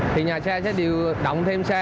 thì nhà xe sẽ điều động thêm xe